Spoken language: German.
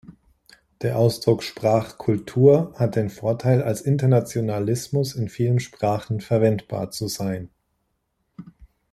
Der Ausdruck Sprach"kultur" hat den Vorteil, als Internationalismus in vielen Sprachen verwendbar zu sein.